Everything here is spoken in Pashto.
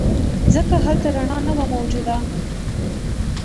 ځکه هلته رڼا نه وه موجوده.